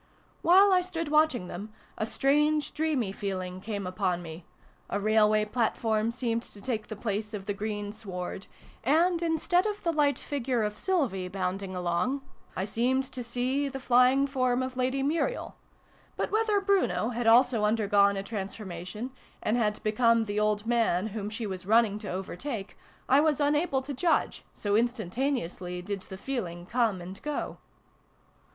While I stood watching them, a strange dreamy feeling came upon me : a railway plat form seemed to take the place of the green sward, and, instead of the light figure of Sylvie bounding along, I seemed to see the flying form of Lady Muriel ; but whether Bruno vi] WILLIE'S WIFE. 93 had also undergone a transformation, and had become the old man whom she was running to overtake, I was unable to judge, so instan taneously did the feeling come and go.